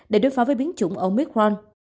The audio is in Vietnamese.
để đối phó với biến chủng omicron